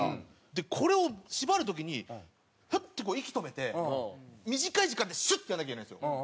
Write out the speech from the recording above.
でこれを縛る時にフッとこう息止めて短い時間でシュッとやらなきゃいけないんですよ。